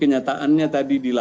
dan yang terima kasih